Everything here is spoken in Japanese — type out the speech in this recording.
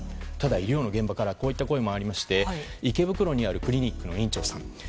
ただ、医療の現場からはこういった声もありまして、池袋にある、クリニックの院長さん。